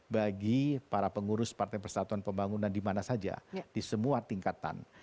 bagi para pengurus partai persatuan pembangunan di mana saja di semua tingkatan